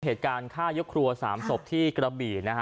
เหตุการณ์ฆ่ายกครัว๓ศพที่กระบี่นะฮะ